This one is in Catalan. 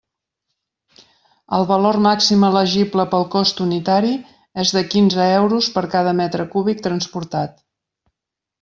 El valor màxim elegible pel cost unitari és de quinze euros per cada metre cúbic transportat.